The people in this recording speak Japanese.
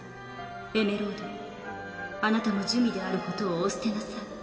エメロードあなたも珠魅であることをお捨てなさい。